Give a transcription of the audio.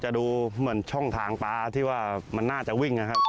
ดูเหมือนช่องทางป๊าที่ว่ามันน่าจะวิ่งนะครับ